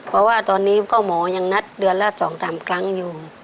เพราะว่าตอนนี้ก็หมอยังนัดเดือนละ๒๓ครั้งอยู่